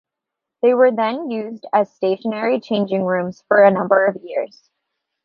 They were then used as stationary changing rooms for a number of years.